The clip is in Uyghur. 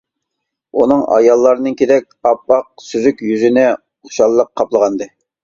ئۇنىڭ ئاياللارنىڭكىدەك ئاپئاق، سۈزۈك يۈزىنى خۇشاللىق قاپلىغانىدى.